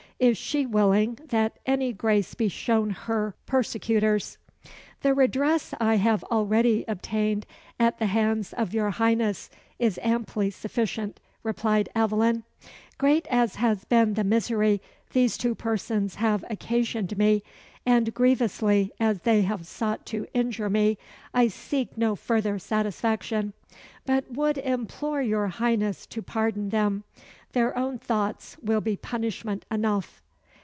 Is she willing that any grace be shown her persecutors?" "The redress I have already obtained at the hands of your Highness is amply sufficient," replied Aveline. "Great as has been the misery these two persons have occasioned me, and grievously as they have sought to injure me, I seek no further satisfaction; but would implore your Highness to pardon them. Their own thoughts will be punishment enough."